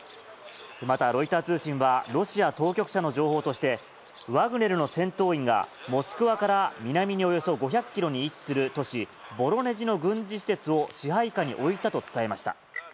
またロイター通信は、ロシア当局者の情報として、ワグネルの戦闘員が、モスクワから南におよそ５００キロに位置する都市、ボロネジの軍事施設を支配下に置いたと伝えました。